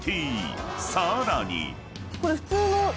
［さらに］